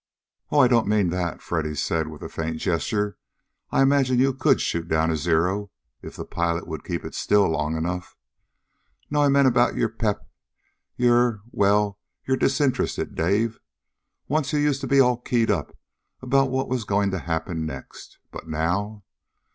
"Oh, I don't mean that," Freddy said with a faint gesture. "I imagine you could shoot down a Zero if the pilot would keep it still long enough. No, I mean about your pep, your well, your disinterest, Dave. Once you used to be all keyed up about what was going to happen next. But now...?